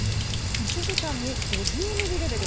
１時間に５０ミリレベル。